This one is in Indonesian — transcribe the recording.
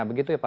begitu ya pak